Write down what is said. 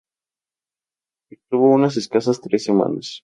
Estuvo unas escasas tres semanas.